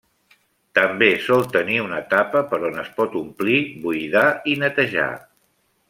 També sol tenir una tapa per on es pot omplir, buidar i netejar.